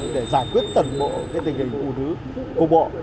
để giải quyết tầm mộ tình hình của bộ